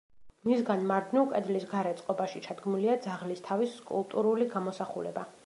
მისგან მარჯვნივ, კედლის გარე წყობაში ჩადგმულია ძაღლის თავის სკულპტურული გამოსახულება.